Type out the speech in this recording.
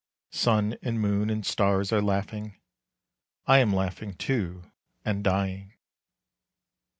Sun and moon and stars are laughing; I am laughing too and dying.